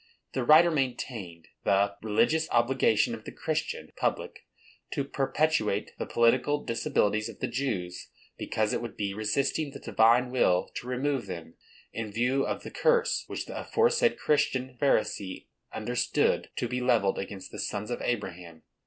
The writer maintained the religious obligation of the Christian public to perpetuate the political disabilities of the Jews, because it would be resisting the Divine will to remove them, in view of the "curse" which the aforesaid Christian Pharisee understood to be levelled against the sons of Abraham.